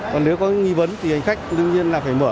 còn nếu có nghi vấn thì hành khách đương nhiên là phải mở